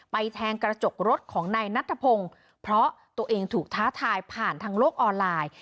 แทงกระจกรถของนายนัทพงศ์เพราะตัวเองถูกท้าทายผ่านทางโลกออนไลน์